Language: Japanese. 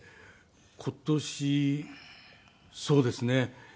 今年そうですね。